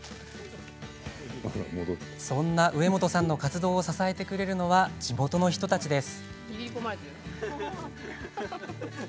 そんな植本さんの活動を支えてくれるのは地元の人たちです。